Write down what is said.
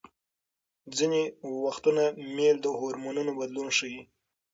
ځینې وختونه میل د هورمونونو بدلون ښيي.